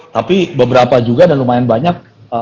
tapi beberapa juga dan lumayan banyak